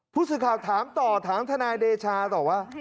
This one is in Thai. ผู้สื่อข่าวถามต่อถามทนายเดชาต่อว่า